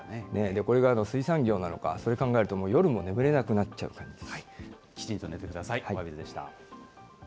これが水産業なのか、それ考えると、夜も眠れなくなっちゃう感じです。